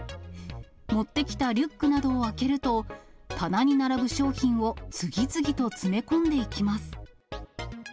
持ってきたリュックなどを開けると、棚に並ぶ商品を次々と詰め込んでいきます。